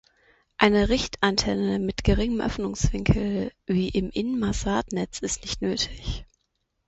Eine Richtantenne mit geringem Öffnungswinkel wie im Inmarsat-Netz ist nicht nötig.